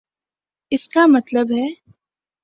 اس کا مطلب ہے۔